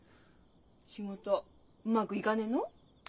仕事うまぐいがねえの？